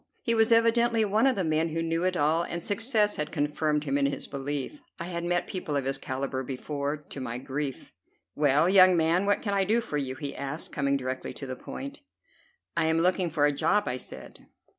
He was evidently one of the men who knew it all, and success had confirmed him in his belief. I had met people of his calibre before, to my grief. "Well, young man, what can I do for you?" he asked, coming directly to the point. "I am looking for a job," I said.